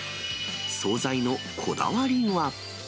総菜のこだわりは。